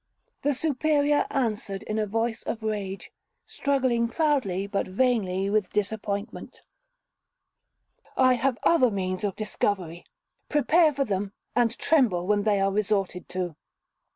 The Superior answered, in a voice of rage, struggling proudly, but vainly, with disappointment, 'I have other means of discovery—prepare for them, and tremble when they are resorted to.'